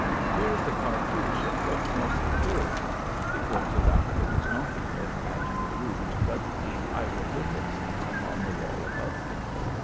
Here is the cartouche of Thotmes the Third," he pointed up with his donkey whip at the rude, but deep, hieroglyphics upon the wall above him.